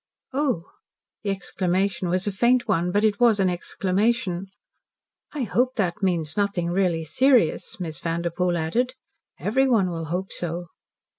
"Oh!" The exclamation was a faint one, but it was an exclamation. "I hope that means nothing really serious," Miss Vanderpoel added. "Everyone will hope so."